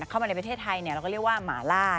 เข้ามาในประเทศไทยเราก็เรียกว่าหมาล่า